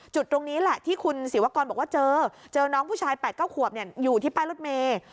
จุดตรงนี้แหละที่คุณศิวกรบอกว่าเจอเจอน้องผู้ชาย๘๙ขวบอยู่ที่ป้ายรถเมย์